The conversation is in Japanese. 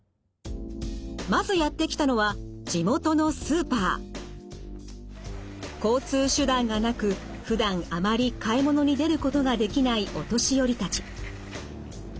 まずやって来たのは交通手段がなくふだんあまり買い物に出ることができないお年寄りたち。